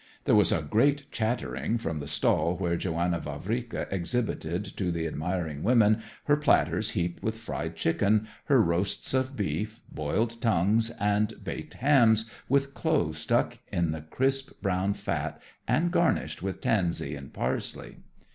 There was a great chattering from the stall where Johanna Vavrika exhibited to the admiring women her platters heaped with fried chicken, her roasts of beef, boiled tongues, and baked hams with cloves stuck in the crisp brown fat and garnished with tansy and parsley.